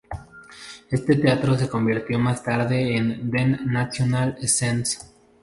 Ese teatro se convirtió más tarde en "Den Nationale Scene".